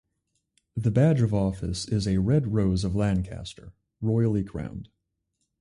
The badge of office is a red rose of Lancaster, royally crowned.